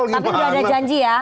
tapi tidak ada janji ya